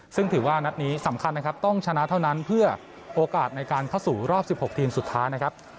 ซึ่งถือว่านัดนี้สำคัญนะครับต้องชนะเท่านั้นเพื่อโอกาสในการเข้าสู่รอบ๑๖ทีมสุดท้ายนะครับ